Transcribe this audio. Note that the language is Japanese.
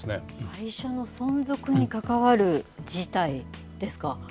会社の存続に関わる事態ですか。